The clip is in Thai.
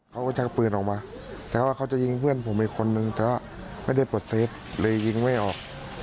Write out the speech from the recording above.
เขาก็ชักปืนออกมาแต่ว่าเขาจะยิงเพื่อนผมอีกคนนึงแต่ว่าไม่ได้ปลดเซฟเลยยิงไม่ออก